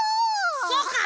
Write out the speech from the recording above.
そうか！